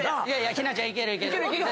ヒナちゃんいけるいける。